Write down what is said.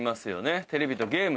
テレビとゲームね。